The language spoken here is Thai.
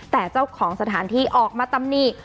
แต่เจ้าของสถานที่ออกมาตำหนิ